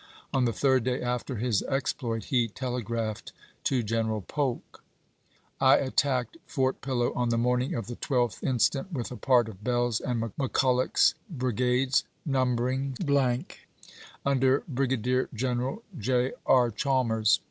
On the third day after his exploit he ^isei^^' telegraphed to General Polk : I attacked Fort Pillow on the morning of the 12th instant with a part of Bell's and McCuUoch's brigades, nnmber ing , under Brigadier General J. R. Chalmers.